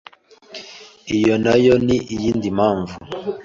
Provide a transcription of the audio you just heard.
iyo nayo ni iyindi mpamvu